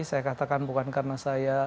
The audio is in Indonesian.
saya katakan bukan karena saya